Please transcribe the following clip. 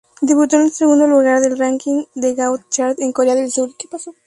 Debutó en el segundo lugar del ranking de Gaon Chart en Corea del Sur.